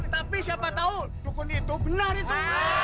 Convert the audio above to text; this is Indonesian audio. tapi siapa tahu dukun itu benar itu